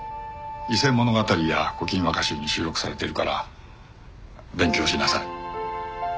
『伊勢物語』や『古今和歌集』に収録されているから勉強しなさい。